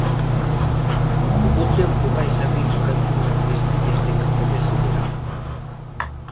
O bo tempo vaise abrindo camiño a tres días de que comece o verán.